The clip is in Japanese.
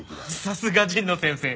さすが神野先生！